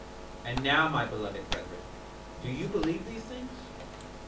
7:17 And now my beloved brethren, do you believe these things?